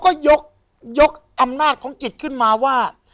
ก็เขาก็ยกอำนาจของจิตขึ้นมาว่า